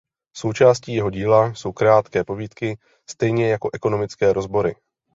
Součástí jeho díla jsou krátké povídky stejně jako ekonomické rozbory.